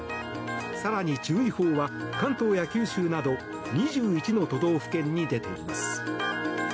更に注意報は関東や九州など２１の都道府県に出ています。